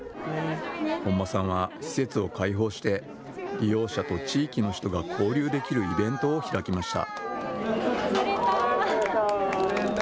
本間さんは施設を開放して利用者と地域の人が交流できるイベントを開きました。